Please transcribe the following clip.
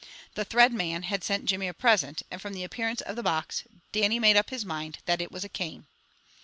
The Thread Man had sent Jimmy a present, and from the appearance of the box, Dannie made up his mind that it was a cane.